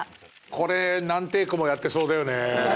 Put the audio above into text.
これ何テークもやってそうだよね。